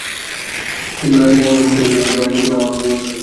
কিন্তু রাতে যানবাহনে নির্ধারিত ওজনের চেয়ে অনেক বেশি মালামাল পরিবহন করা হচ্ছে।